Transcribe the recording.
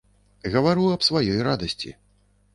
Гавару аб сваёй радасці.